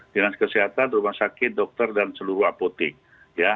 dengan kesehatan rumah sakit dokter dan seluruh apotek